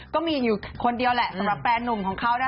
ก็มีอยู่คนเดียวแหละสำหรับแฟนนุ่มของเขานะ